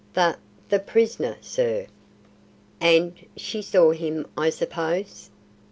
"The the prisoner, sir." "And she saw him, I suppose?"